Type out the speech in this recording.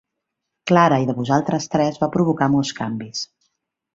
Clara i de vosaltres tres va provocar molts canvis.